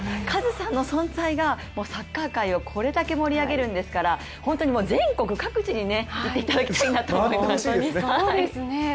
カズさんの存在がサッカー界をこれだけ盛り上げるんですから本当に全国各地に行っていただきたいと思いますね。